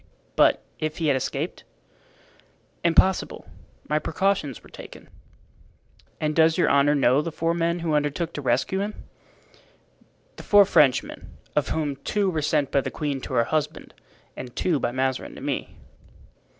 "But if he had escaped?" "Impossible; my precautions were taken." "And does your honor know the four men who undertook to rescue him?" "The four Frenchmen, of whom two were sent by the queen to her husband and two by Mazarin to me."